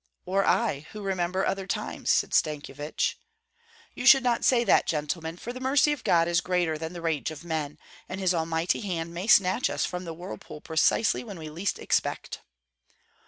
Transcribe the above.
"Or I, who remember other times?" said Stankyevich. "You should not say that, gentlemen; for the mercy of God is greater than the rage of men, and his almighty hand may snatch us from the whirlpool precisely when we least expect."